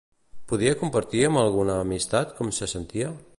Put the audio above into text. Podia compartir amb alguna amistat com se sentia?